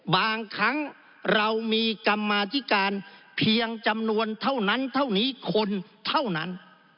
บางครั้งเรามีกรรมาธิการเพียงจำนวนเท่านั้นเท่านี้คนเท่านั้น